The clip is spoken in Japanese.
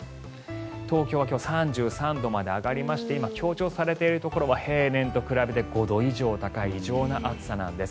東京は今日３３度まで上がりまして今、強調されているところは平年と比べて５度以上高い異常な暑さなんです。